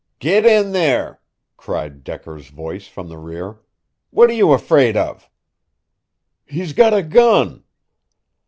"Get in there!" cried Decker's voice from the rear. "What are you afraid of?" "He's got a gun."